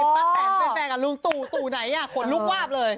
แตนเป็นแฟนกับลุงตู่ตู่ไหนขนลุกวาบเลย